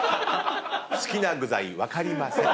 好きな具材分かりません。